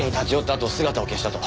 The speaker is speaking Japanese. あと姿を消したと。